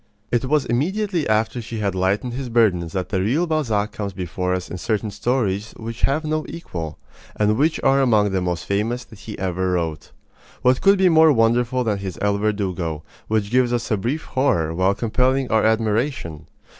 It was immediately after she had lightened his burdens that the real Balzac comes before us in certain stories which have no equal, and which are among the most famous that he ever wrote. What could be more wonderful than his El Verdugo, which gives us a brief horror while compelling our admiration?